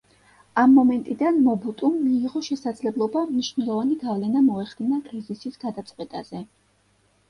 ამ მომენტიდან მობუტუმ მიიღო შესაძლებლობა მნიშვნელოვანი გავლენა მოეხდინა კრიზისის გადაწყვეტაზე.